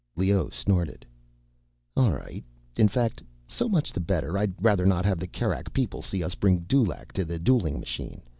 Leoh snorted. "All right. In fact, so much the better. I'd rather not have the Kerak people see us bring Dulaq to the dueling machine.